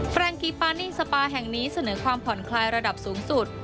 แรงกีปานิ่งสปาแห่งนี้เสนอความผ่อนคลายระดับสูงสุด